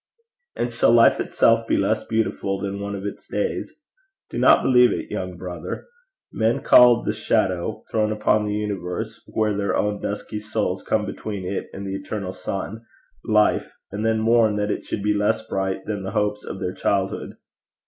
And shall life itself be less beautiful than one of its days? Do not believe it, young brother. Men call the shadow, thrown upon the universe where their own dusky souls come between it and the eternal sun, life, and then mourn that it should be less bright than the hopes of their childhood.